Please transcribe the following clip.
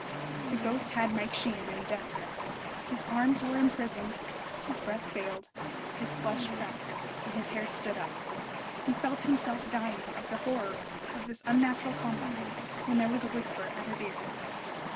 The ghost had Mike Sheehan in a death grip. His arms were imprisoned, his breath failed, his flesh crept, and his hair stood up. He felt himself dying of the horror of this unnatural combat, when there was a whisper at his ear.